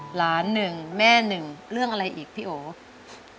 หนึ่งแม่หนึ่งเรื่องอะไรอีกพี่โอ